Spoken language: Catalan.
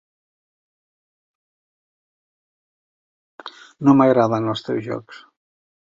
No m'agraden els teus jocs.